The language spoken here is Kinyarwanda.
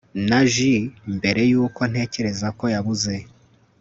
na jus 'mbere yuko ntekereza ko yabuze